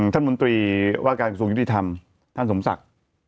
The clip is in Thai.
ท่านมนตรีว่าการสูงยุติธรรมท่านสมศักดิ์